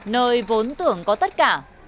nơi vốn tưởng có tất cả